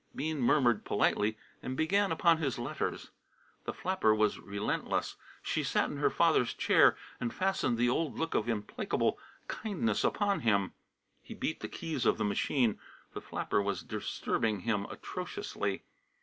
Bean murmured politely and began upon his letters. The flapper was relentless. She sat in her father's chair and fastened the old look of implacable kindness upon him. He beat the keys of the machine. The flapper was disturbing him atrociously.